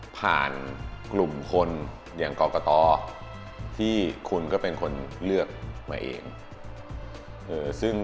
กลุ่มคนอย่างกรกตที่คุณก็เป็นคนเลือกมาเอง